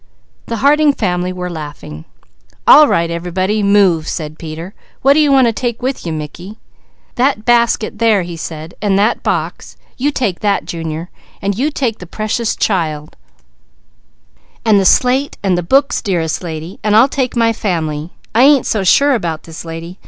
The Harding family were laughing. "All right, everybody move," said Peter. "What do you want to take with you Mickey?" "That basket there," he said. "And that box, you take that Junior, and you take the Precious Child, and the slate and the books dearest lady and I'll take my family; but I ain't so sure about this, lady.